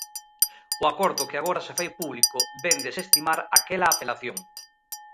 O acordo que agora se fai público vén desestimar aquela apelación.